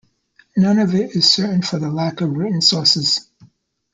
None of it is certain for the lack of written sources.